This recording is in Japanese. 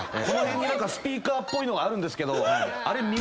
この辺にスピーカーっぽいのがあるんですけどあれ